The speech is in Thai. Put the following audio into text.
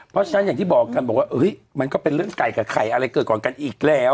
เพราะฉะนั้นอย่างที่บอกกันบอกว่ามันก็เป็นเรื่องไก่กับไข่อะไรเกิดก่อนกันอีกแล้ว